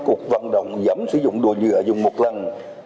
cục vận động giấm sử dụng đồ dừa dùng một lần